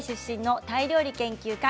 タイ出身のタイ料理研究家